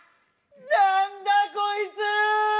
何だこいつ！？